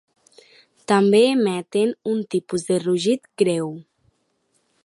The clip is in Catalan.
També emeten un tipus de rugit greu.